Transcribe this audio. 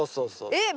えっ